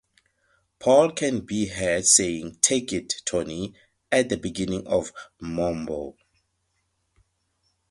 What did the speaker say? Paul can be heard saying "Take it, Tony" at the beginning of "Mumbo".